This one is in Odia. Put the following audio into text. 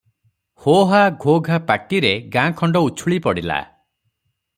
ହୋହା- ଘୋଘା ପାଟିରେ ଗାଁ ଖଣ୍ଡ ଉଛୁଳି ପଡ଼ିଲା ।